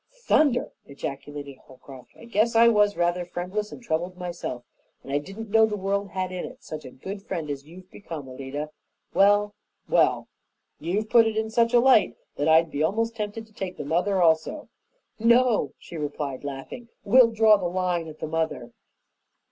"Thunder!" ejaculated Holcroft. "I guess I was rather friendless and troubled myself, and I didn't know the world had in it such a good friend as you've become, Alida. Well, well! You've put it in such a light that I'd be almost tempted to take the mother, also." "No," she replied, laughing; "we'll draw the line at the mother."